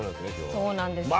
そうなんですよ。